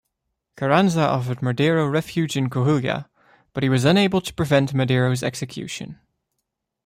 Carranza offered Madero refuge in Coahuila, but he was unable to prevent Madero's execution.